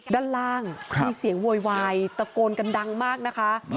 ด้านล่างมีเสียงโวยวายตะโกนกันดังมากนะคะ